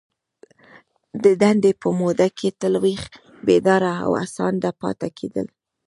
د دندي په موده کي تل ویښ ، بیداره او هڅانده پاته کیدل.